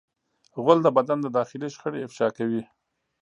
غول د بدن داخلي شخړې افشا کوي.